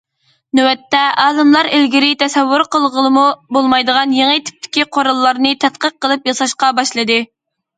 نۆۋەتتە ئالىملار ئىلگىرى تەسەۋۋۇر قىلغىلىمۇ بولمايدىغان يېڭى تىپتىكى قوراللارنى تەتقىق قىلىپ ياساشقا باشلىدى.